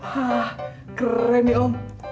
wah keren nih om